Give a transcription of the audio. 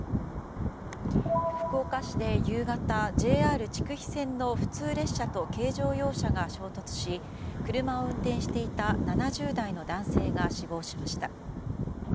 福岡市で夕方ＪＲ筑肥線の普通列車と軽乗用車が衝突し車を運転していた７０代の男性が死亡しました。